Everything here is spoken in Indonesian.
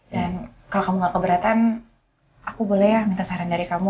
dan kalau kamu gak keberatan aku boleh minta saran dari kamu